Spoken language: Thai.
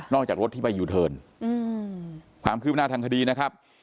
จากรถที่ไปยูเทิร์นความคืบหน้าทางคดีนะครับ